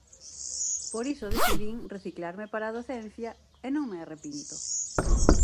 Por iso decidín reciclarme para a docencia, e non me arrepinto.